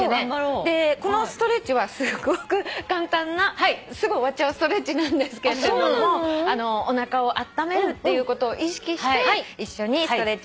このストレッチはすごく簡単なすぐ終わっちゃうストレッチなんですけどおなかをあっためるっていうことを意識して一緒にストレッチやってください。